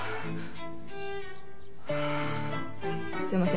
すみません。